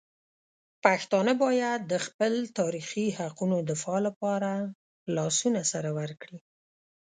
پښتانه باید د خپل تاریخي حقونو دفاع لپاره لاسونه سره ورکړي.